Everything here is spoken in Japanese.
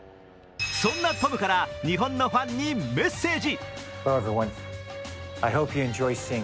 そんなトムから日本のファンにメッセージ。